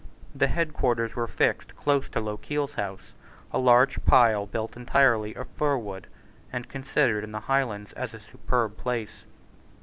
The head quarters were fixed close to Lochiel's house, a large pile built entirely of fir wood, and considered in the Highlands as a superb palace.